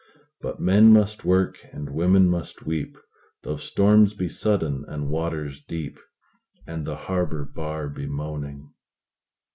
But men must work, and women must weep, Though storms be sudden, and waters deep, And the harbor bar be moaning.